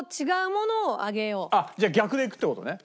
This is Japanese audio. じゃあ逆でいくって事ね？